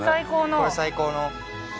これ最高の。